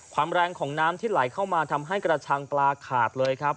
แรงของน้ำที่ไหลเข้ามาทำให้กระชังปลาขาดเลยครับ